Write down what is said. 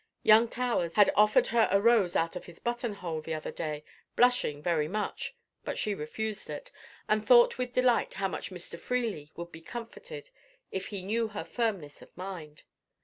Young Towers had offered her a rose out of his button hole the other day, blushing very much; but she refused it, and thought with delight how much Mr. Freely would be comforted if he knew her firmness of mind.